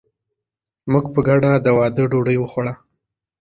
موږ په ګډه د واده ډوډۍ وخوړه.